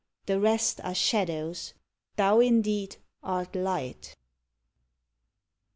The rest are shadows thou indeed art Light.